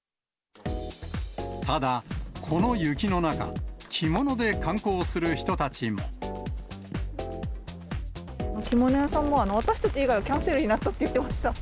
ただ、この雪の中、着物で観着物屋さんも、私たち以外はキャンセルになったって言ってました。